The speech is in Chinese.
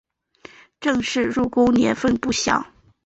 郑氏入宫年份不详。